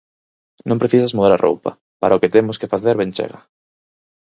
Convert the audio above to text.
Non precisas mudar a roupa; para o que temos que facer ben chega.